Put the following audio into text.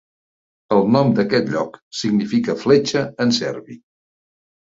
El nom d'aquest lloc significa "fletxa" en serbi.